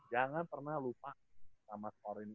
jangan pernah lupa sama skor ini delapan puluh lima tujuh puluh dua